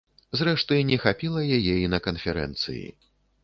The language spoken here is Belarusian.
Зрэшты, не хапіла яе і на канферэнцыі.